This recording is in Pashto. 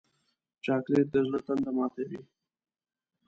چاکلېټ د زړه تنده ماتوي.